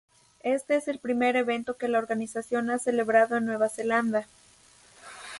Este es el primer evento que la organización ha celebrado en Nueva Zelanda.